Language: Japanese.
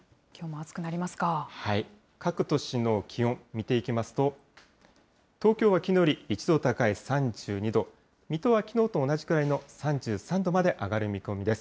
各都市の気温見ていきますと、東京はきのうより１度高い３２度、水戸はきのうと同じくらいの３３度まで上がる見込みです。